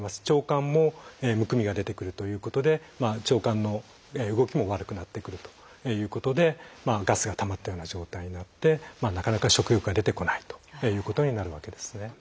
腸管もむくみが出てくるということで腸管の動きも悪くなってくるということでガスが溜まったような状態になってなかなか食欲が出てこないということになるわけですね。